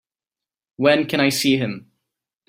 When can I see him?